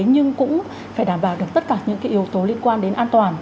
nhưng cũng phải đảm bảo được tất cả những yếu tố liên quan đến an toàn